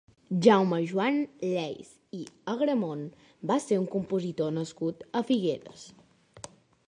Jaume-Joan Lleys i Agramont va ser un compositor nascut a Figueres.